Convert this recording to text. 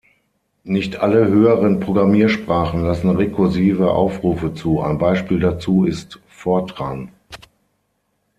Nicht alle höheren Programmiersprachen lassen rekursive Aufrufe zu; ein Beispiel dazu ist Fortran.